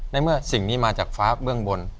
ในเมื่อสิ่งนี้มาจากฟ้าเบื้องบน